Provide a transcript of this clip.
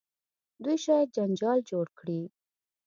دوی شاید جنجال جوړ کړي.